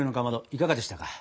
いかがでしたか？